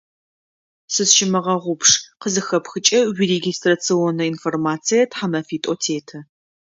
«Сызщымыгъэгъупш» къызыхэпхыкӏэ уирегистрационнэ информацие тхьэмэфитӏо теты.